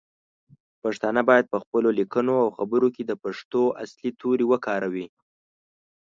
پښتانه باید پخپلو لیکنو او خبرو کې د پښتو اصلی تورې وکاروو.